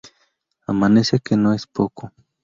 Amanece, que no es poco